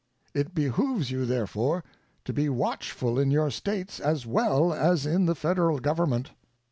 It behooves you, therefore, to be watchful in your States as well as in the Federal Government.